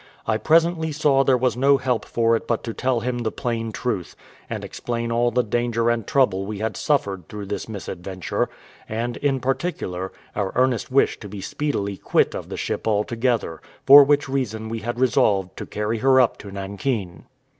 I presently saw there was no help for it but to tell him the plain truth, and explain all the danger and trouble we had suffered through this misadventure, and, in particular, our earnest wish to be speedily quit of the ship altogether; for which reason we had resolved to carry her up to Nankin.